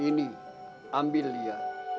ini ambil dia